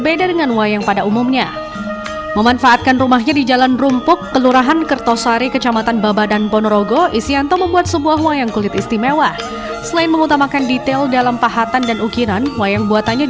berlapiskan emas dua puluh satu karat